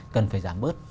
cần phải giảm bớt